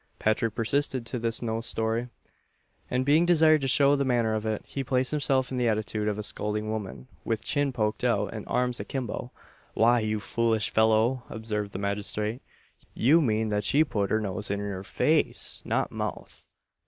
Patrick persisted in his nose story, and being desired to show the manner of it, he placed himself in the attitude of a scolding woman with chin poked out, and arms a kimbo. "Why, you foolish fellow," observed the magistrate, "you mean that she put her nose in your face not mouth."